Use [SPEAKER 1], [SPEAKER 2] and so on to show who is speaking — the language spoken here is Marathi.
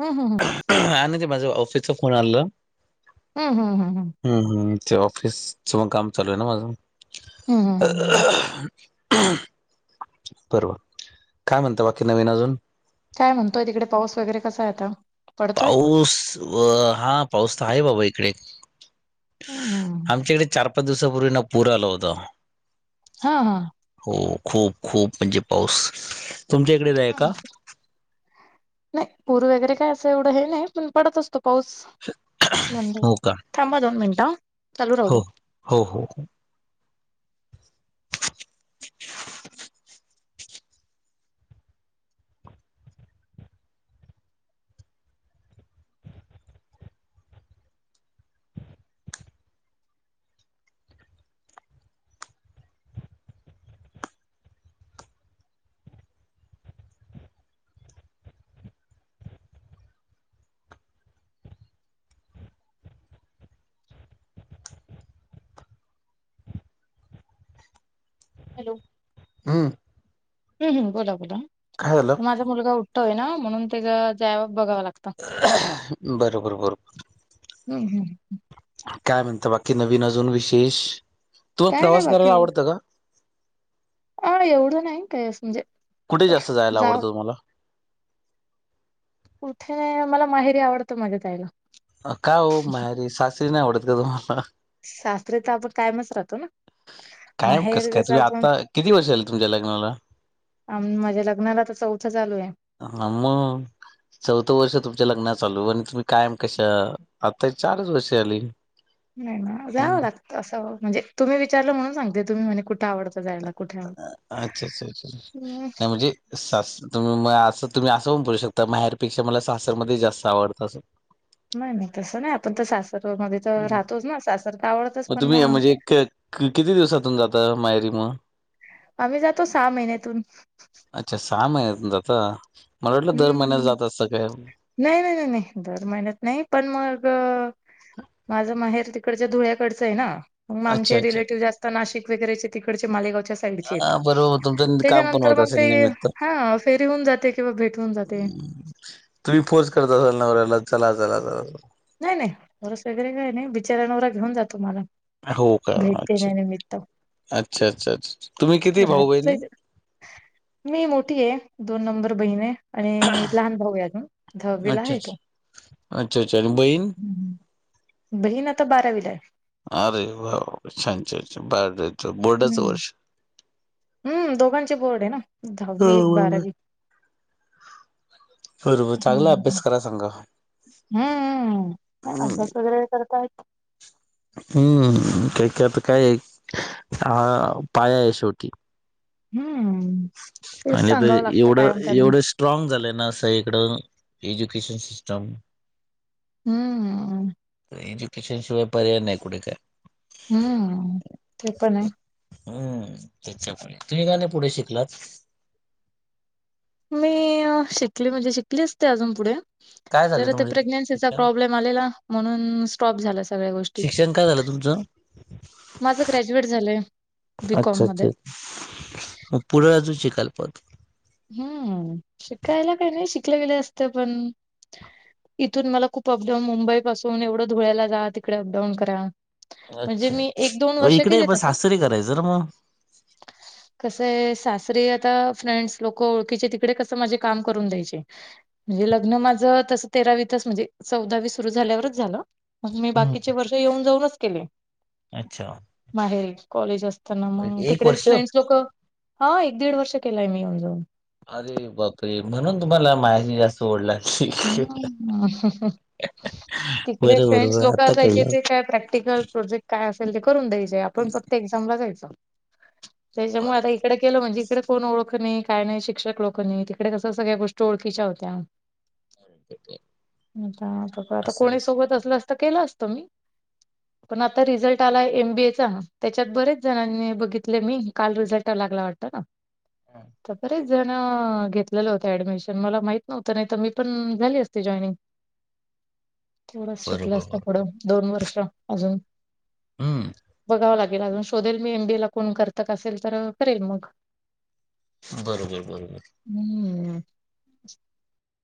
[SPEAKER 1] हम् हम् हम्
[SPEAKER 2] हां नाही, ते माझ्या ऑफिसचा फोन आलेल-
[SPEAKER 1] हंम् हम् हम् हम्
[SPEAKER 2] हम्म हम्म, ते ऑफिसचं मग काम चालू आहे ना माझं.
[SPEAKER 1] हम्म हम्म हम्म.
[SPEAKER 2] बरोबर. काय म्हणता बाकी नवीन अजून?
[SPEAKER 1] काय म्हणतोय, तिकडे पाऊस वगैरे कसा आहे आता? पडतोय?
[SPEAKER 2] पाऊस व हा, पाऊस तर आहे बाबा इकडे.
[SPEAKER 1] हं
[SPEAKER 2] आमच्याईकडे चार पाच दिवसापूर्वी ना पूर आला होता.
[SPEAKER 1] हा हा.
[SPEAKER 2] हो खूप खूप म्हणजे पाऊस- तुमच्या इकडेच आहे का
[SPEAKER 1] हम् नाही पूर वगैरे काय असं एवढं हे नाही, पण पडत असतो पाऊस. म्हणजे,,
[SPEAKER 2] हो का
[SPEAKER 1] थांबा दोन मिनिटं, चालू राहु
[SPEAKER 2] हो
[SPEAKER 1] दे.
[SPEAKER 2] हो हो हो
[SPEAKER 1] हॅलो!
[SPEAKER 2] हम्म.
[SPEAKER 1] हम्म हम्म बोला बोला.
[SPEAKER 2] काय झालं?
[SPEAKER 1] माझा मुलगा उठतोय ना, म्हणून ते ज्याव बघाव लागतं.
[SPEAKER 2] बरोबर बरोबर.
[SPEAKER 1] हम्म हम्म.
[SPEAKER 2] काय म्हणता बाकी नवीन अजून विशेष, तुम्हाला
[SPEAKER 1] काय नाही
[SPEAKER 2] प्रवास करायला आवडतं का?
[SPEAKER 1] हा नाही एवढं नाही काही असू म्हणजे
[SPEAKER 2] कुठे जास्त जायला
[SPEAKER 1] जा
[SPEAKER 2] आवडतं तुम्हाला?
[SPEAKER 1] कुठेऽ मला माहेरी आवडतं माझ्या जायला.
[SPEAKER 2] का ओ माहेरी, सासरी नाही आवडत का तुम्हाला?
[SPEAKER 1] सासरी तर आपण कायमच राहतो ना.
[SPEAKER 2] कायम
[SPEAKER 1] माहेर
[SPEAKER 2] कसं काय, तुम्ही
[SPEAKER 1] आपण
[SPEAKER 2] आता, किती वर्ष झाले तुमच्या लग्नाला?
[SPEAKER 1] अम माझ्या लग्नाला तर चौथं चालू आहे.
[SPEAKER 2] हां मग चौथं वर्ष तुमच्या लग्नात चालू, आणि तुम्ही कायम कशा, आता चारच वर्ष झाली.
[SPEAKER 1] नाही नाही जाव
[SPEAKER 2] हम्म.
[SPEAKER 1] लागतं असं, म्हणजे तुम्ही विचारलं म्हणून सांगते, तुम्ही म्हणे कुठे आवडतं जायला लाग
[SPEAKER 2] अच्छा अच्छा अच्छा, नाही म्हणजे स तुम्ही असं तुम्ही असं पण बोलू शकता, मला माहेरपेक्षा मला सासर मध्ये जास्त आवडतं असं.
[SPEAKER 1] नाही नाही तसं नाही, आपण तर सासर मध्ये तर
[SPEAKER 2] हम्म.
[SPEAKER 1] राहतोच ना, सासर तर आवडतच पण
[SPEAKER 2] तुम्ही
[SPEAKER 1] मग
[SPEAKER 2] म्हणजे क किती दिवसातून जाता माहेरी मग
[SPEAKER 1] आम्ही जातो सहा महिन्यातून.
[SPEAKER 2] अच्छा सहा महिन्यात जाता,, मला वाटलं दर महिन्यात
[SPEAKER 1] हम्म
[SPEAKER 2] जात असता काय.
[SPEAKER 1] नाही नाही नाही दर महिन्यात नाही, पण मग माझं माहेर तिग तिकडच्या धुळ्याकडंच आहे ना, मग
[SPEAKER 2] अच्छा
[SPEAKER 1] आमचे
[SPEAKER 2] अच्छा.
[SPEAKER 1] रिलेटिव्ह जास्त नाशिक वगैरेचे तिकडचे मालेगावच्या साईड चे आहेत,,
[SPEAKER 2] हा बरोबर तुमचं काम पण
[SPEAKER 1] त्याच्यानंतर
[SPEAKER 2] होत
[SPEAKER 1] मग
[SPEAKER 2] असेल
[SPEAKER 1] ते
[SPEAKER 2] निमित्त.
[SPEAKER 1] हां फेरी हून जाते किंवा भेटवून जाते.
[SPEAKER 2] तुम्ही फोर्स करत असाल नवऱ्याला चला चला चला
[SPEAKER 1] नाही नाही, फोर्स वगैरे काय नाही, बिचारा नवरा घेऊन जातो मला.
[SPEAKER 2] हो का
[SPEAKER 1] भेट
[SPEAKER 2] अच्छा,
[SPEAKER 1] देण्यानिमित्त
[SPEAKER 2] अच्छा अच्छा अच्छा. तुम्ही किती भाऊ बहिणी
[SPEAKER 1] राहतोय, मी मोठी आहे, दोन नंबर बहिण आहे. आणि लहान भाऊ आहे अजून, दहावीला
[SPEAKER 2] अच्छा
[SPEAKER 1] आहे तो.
[SPEAKER 2] अच्छा अच्छा अच्छा आणि बहीण
[SPEAKER 1] बहीण आता बारावीला आहे.
[SPEAKER 2] अरे वा छान छान,, छान बा बोर्डाच
[SPEAKER 1] हम्म.
[SPEAKER 2] वर्ष.
[SPEAKER 1] हम्म दोघांचे बोर्ड आहे ना, दहावी बारावी.
[SPEAKER 2] बरोबर,
[SPEAKER 1] हम्म
[SPEAKER 2] चांगला
[SPEAKER 1] हम्म
[SPEAKER 2] अभ्यास कराय सांगा.
[SPEAKER 1] हम्म, अभ्यास वगैरे करतायत.
[SPEAKER 2] हम्म, काकै आता काय आहे, हा पाया आहे शेवटी.
[SPEAKER 1] हम्म. तेच
[SPEAKER 2] आणि ताई
[SPEAKER 1] सांगावं लागतं
[SPEAKER 2] एवढं
[SPEAKER 1] कायम त्यांना
[SPEAKER 2] एवढंच स्ट्रॉंग झालय ना सगळीकडं, एज्युकेशन सिस्टम
[SPEAKER 1] हम्म्म.
[SPEAKER 2] एज्युकेशन शिवाय पर्याय नाही कुठे काय?
[SPEAKER 1] हम्म ते पण आहे.
[SPEAKER 2] हम्म त्याच्या मुळे तुम्ही का नाही शिकलात?
[SPEAKER 1] मी शिकली म्हणजे शिकली असती अजून पुढे
[SPEAKER 2] काय झाले
[SPEAKER 1] जर ते
[SPEAKER 2] तुमचे
[SPEAKER 1] प्रेग्नेनसीचा
[SPEAKER 2] शिक्षण
[SPEAKER 1] प्रॉब्लेम आलेला म्हणून स्टॉप झाला सगळ्या गोष्टी.
[SPEAKER 2] शिक्षण काय झालं तुमचं?
[SPEAKER 1] माझं ग्रॅज्युएट झालंय बी कॉम
[SPEAKER 2] अच्छा
[SPEAKER 1] मध्ये.
[SPEAKER 2] अच्छा. मग पुढे अजून शिकायला पायजे व्हत.
[SPEAKER 1] हम्म शिकायला काय नाही शिकले गेले असते पण इथून मला खूप अपडाऊन मुंबई पासून एवढं धुळ्याला जा तिकडे अपडाऊन करा. म्हणजे
[SPEAKER 2] अच्छा
[SPEAKER 1] मी एक, दोन
[SPEAKER 2] मग
[SPEAKER 1] वर्ष
[SPEAKER 2] इकडे
[SPEAKER 1] केले
[SPEAKER 2] पण
[SPEAKER 1] तस.
[SPEAKER 2] सासरी करायचं ना मग.
[SPEAKER 1] कस आहे सासरी आता फ्रेंड्स लोकं ओळखीचे तिकडे कसं माझ काम करून द्यायचे. म्हणजे लग्न माझं तसं तेरावी तच म्हणजे चौदावी सुरू झाल्यावरच झालं. मग मी
[SPEAKER 2] हम्म
[SPEAKER 1] बाकीचे वर्ष येऊन जाऊनच केले.
[SPEAKER 2] अच्छा.
[SPEAKER 1] माहेरी कॉलेज असताना मग
[SPEAKER 2] एक
[SPEAKER 1] तिकडेच
[SPEAKER 2] वर्ष?
[SPEAKER 1] फ्रेंड्स लोक हो एक दीड वर्ष केलाय मी येऊन जाऊन.
[SPEAKER 2] अरे बापरे म्हणून तुम्हाला माहेरची जास्त ओढ लागली.
[SPEAKER 1] [unintelligible] तिकडे
[SPEAKER 2] बरं
[SPEAKER 1] फ्रेंड्स
[SPEAKER 2] बरोबर बर
[SPEAKER 1] लोक
[SPEAKER 2] आता
[SPEAKER 1] असायचे,
[SPEAKER 2] कळलं.
[SPEAKER 1] ते काय प्रॅक्टिकल प्रोजेक्ट काय असेल ते करून द्यायचे, आपण फक्त पण एक्झामला जायच, त्याच्यामुळे आता इकडे केलं म्हणजे इकडे फोन ओळख नाही काय नाही शिक्षक लोकं नाही, तिकडे कसं सगळ्या गोष्टी ओळखच्या होत्या. आता
[SPEAKER 2] असा
[SPEAKER 1] कोणी
[SPEAKER 2] विषय
[SPEAKER 1] सोबत असलं अस तर केलं असत मी. पण आता रिझल्ट आला एम बीए चा त्याच्यात बरेच जणांनी बघितले मी काल रिझल्ट लागला वाटतं ना. तर बरेच जणअ -घेतलेलं होत ऍडमिशन मला माहित नव्हतं नाहीत तर मी पण झाली असते जॉईनिंग, तेवडच शिकलं
[SPEAKER 2] बरोबर
[SPEAKER 1] असत
[SPEAKER 2] बरोबर
[SPEAKER 1] पुढं. दोन वर्ष अजून
[SPEAKER 2] हम्म
[SPEAKER 1] बघाव लागेल अजून. शोधेल मी एम बी ए ला कोण करत असेल तर करेल मग?
[SPEAKER 2] बरोबर बरोबर.
[SPEAKER 1] हम्म.